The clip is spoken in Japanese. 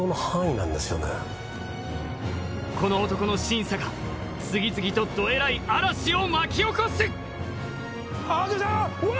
この男の審査が次々とどえらい嵐を巻き起こすあっ出たうわ！